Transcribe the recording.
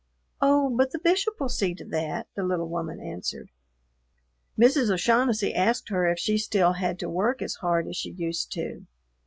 "Oh, but the Bishop will see to that," the little woman answered. Mrs. O'Shaughnessy asked her if she had still to work as hard as she used to.